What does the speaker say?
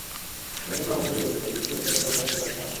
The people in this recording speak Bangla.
আমি এটাকে অঘটনই বলতে চাই, কিন্তু এটা যেন অভ্যাস হয়ে যাচ্ছে আমাদের।